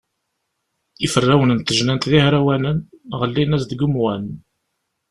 Iferrawen n tejnant d ihrawanen, ɣellin-as deg umwan.